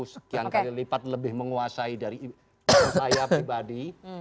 sekian kali lipat lebih menguasai dari saya pribadi